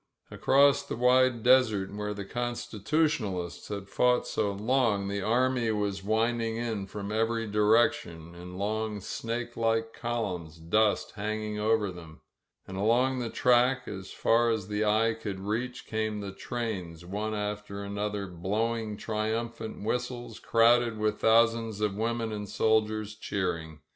Across the wide desert, where the Constitutionalists had fought so long, the army was winding in from every direction, in long snake like columns, dust hang ing over them. And along the track, as far as the eye could reach, came the trains, one after another, blowing triumphant whistles, crowded with thousands of women and soldiers cheering.